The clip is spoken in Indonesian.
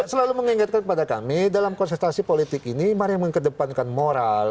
selalu mengingatkan kepada kami dalam konsultasi politik ini mari mengkedepankan moral